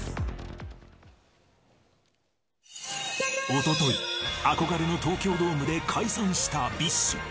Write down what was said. おととい、憧れの東京ドームで解散したＢｉＳＨ。